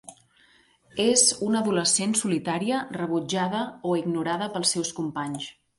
És una adolescent solitària rebutjada o ignorada pels seus companys.